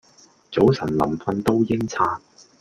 早晨臨訓都應刷